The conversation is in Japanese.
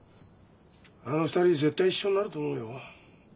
あの２人絶対一緒になると思うよ。